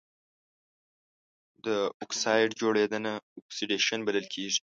د اکسايډ جوړیدنه اکسیدیشن بلل کیږي.